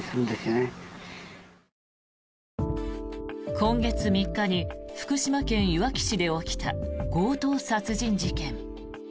今月３日に福島県いわき市で起きた強盗殺人事件。